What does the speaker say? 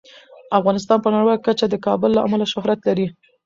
افغانستان په نړیواله کچه د کابل له امله شهرت لري.